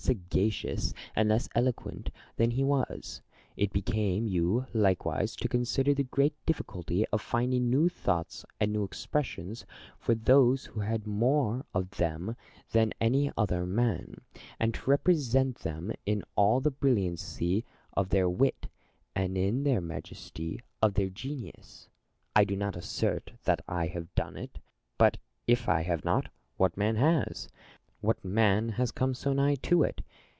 sagacious and less eloquent than he was ; it became you likewise to consider the great difficulty of finding new thoughts and new expressions for those who had more of them than any other men, and to represent them in all the brilliancy of their wit and in all the majesty of their genius. I do not assert that I have done it ; but if I have not, what man has ? what man has come so nigh to it